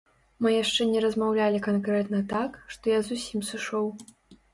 Мы яшчэ не размаўлялі канкрэтна так, што я зусім сышоў.